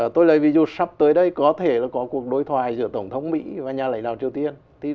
tôi lấy ví dụ sắp tới đây có thể là có cuộc đối thoại giữa tổng thống mỹ và nhà lãnh đạo triều tiên